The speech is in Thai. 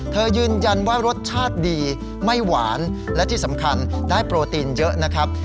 ยืนยันว่ารสชาติดีไม่หวานและที่สำคัญได้โปรตีนเยอะนะครับ